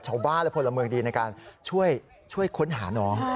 ชาวบ้านและพลเมืองดีในการช่วยค้นหาน้อง